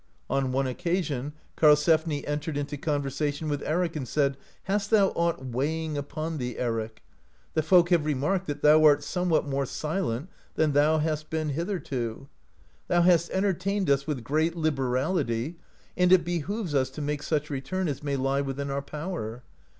On erne occasion Karlsefni entered into conversation with Eric, and said: "Hast thou aught weighing upon thee, Eric ? The folk have remarked, that thou are somewhat more silent than thou hast been hitherto. Thou hast entertained us with great liberality, and it behooves us to make such return as may lie within our power.